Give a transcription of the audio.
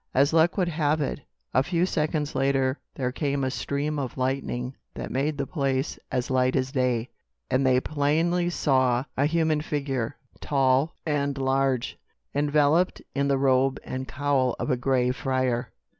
As luck would have it, a few seconds later there came a stream of lightning that made the place as light as day, and they plainly saw a human figure, tall and large, enveloped in the robe and cowl of a gray friar!